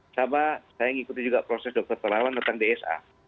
saya mengikuti juga proses dokter terlawan tentang dsa